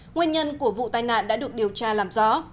nguyên nhân của vụ tai nạn đã được điều tra làm rõ